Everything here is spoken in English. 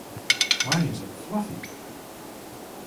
Why is it fluffy?